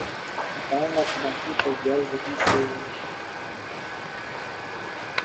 kaanga kwa mafuta viazi lishe vyako pembeni